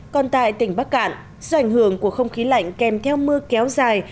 còn tại tỉnh bắc cạn do ảnh hưởng của không khí lạnh kèm theo mưa kéo dài